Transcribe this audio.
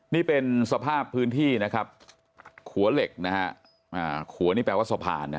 นี่เป็นสภาพพื้นที่นะครับขัวเหล็กนะฮะขัวนี่แปลว่าสะพานนะฮะ